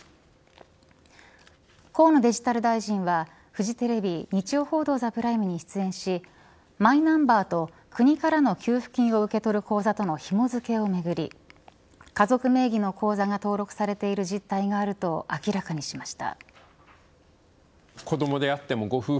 河野デジタル大臣はフジテレビ日曜報道ＴＨＥＰＲＩＭＥに出演しマイナンバーと国からの給付金を受け取る口座とのひも付けをめぐり家族名義の口座が登録されている事態があると明らかにしました。